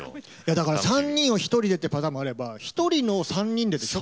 だから３人を１人でっていうパターンもあれば１人のを３人ででしょ。